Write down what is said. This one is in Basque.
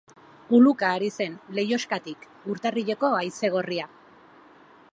Uluka ari zen, leihoxkatik, urtarrileko haize gorria.